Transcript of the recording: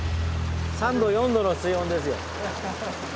３度４度の水温ですよ。